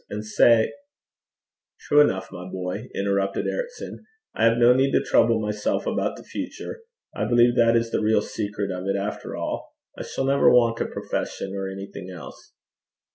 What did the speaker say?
And sae ' 'True enough, my boy,' interrupted Ericson. 'I have no need to trouble myself about the future. I believe that is the real secret of it after all. I shall never want a profession or anything else.'